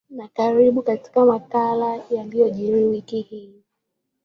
na karibu katika makala ya yaliojiri wiki hii